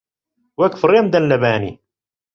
وەک فڕێم دەن لە بانی